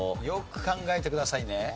よく考えてくださいね。